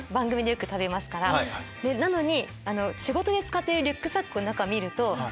なのに。